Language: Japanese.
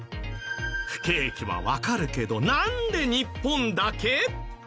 不景気はわかるけどなんで日本だけ？